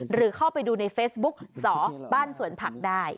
หรือเข้าไปดูในเฟซบุ๊กสอบ้านสวนผักได้